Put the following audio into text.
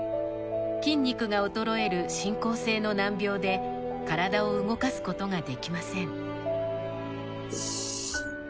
筋肉が衰える進行性の難病で体を動かすことができません。